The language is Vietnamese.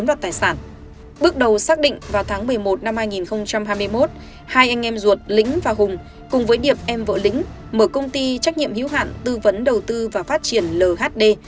lĩnh và hùng cùng với điệp em vợ lĩnh mở công ty trách nhiệm hữu hạn tư vấn đầu tư và phát triển lhd